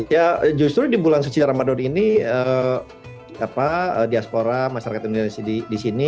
ya justru di bulan suci ramadan ini diaspora masyarakat indonesia di sini